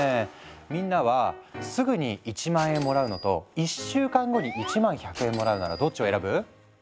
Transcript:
みんなはすぐに１万円もらうのと１週間後に１万１００円もらうならどっちを選ぶ？